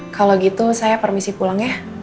kalau gitu saya permisi pulang ya